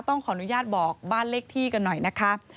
ต้องขออนุญาตบอกบ้านเลขที่กันหน่อยนะคะ